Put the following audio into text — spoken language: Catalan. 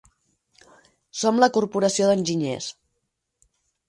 Som la corporació d'enginyers.